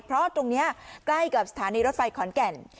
เพราะตรงนี้ใกล้กับสถานีรถไฟขอนแก่น